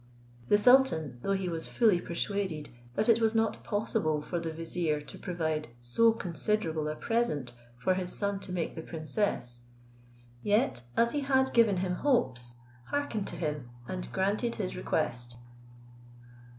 The sultan, though he was fully persuaded that it was not possible for the vizier to provide so considerable a present for his son to make the princess, yet as he had given him hopes, hearkened to him, and granted his request.